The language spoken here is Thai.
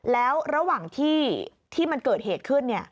แล้วระหว่างที่มันเกิดเหตุขึ้น